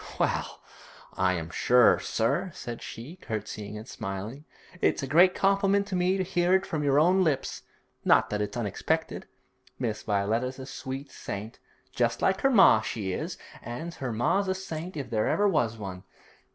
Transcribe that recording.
'Well, I am sure, sir,' said she, curtseying and smiling. 'It's a great compliment to me to hear it from your own lips; not that it's unexpected. Miss Violetta's a sweet saint, just like her ma, she is, an' her ma's a saint if there ever was one.